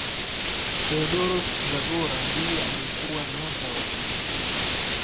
theodoros zagora ndiye aliyekuwa nyota wa ugiriki